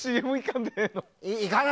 行かない。